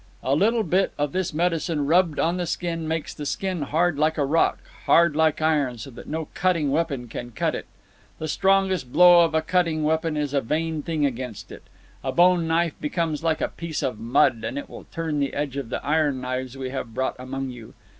A little bit of this medicine rubbed on the skin makes the skin hard like a rock, hard like iron, so that no cutting weapon can cut it. The strongest blow of a cutting weapon is a vain thing against it. A bone knife becomes like a piece of mud; and it will turn the edge of the iron knives we have brought among you.